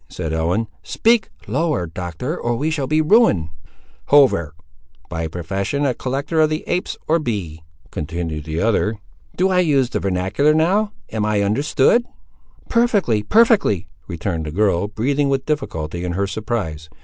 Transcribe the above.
said Ellen; "speak lower, Doctor, or we shall be ruined." "Hover; by profession a collector of the apes, or bee," continued the other. "Do I use the vernacular now,—am I understood?" "Perfectly, perfectly," returned the girl, breathing with difficulty, in her surprise.